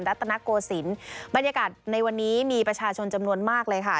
รัฐนโกศิลป์บรรยากาศในวันนี้มีประชาชนจำนวนมากเลยค่ะ